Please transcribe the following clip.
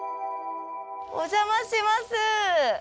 お邪魔します。